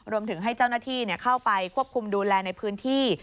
รวมถึงให้เจ้าหน้าที่เข้าไปควบคุมดูแลในพื้นที่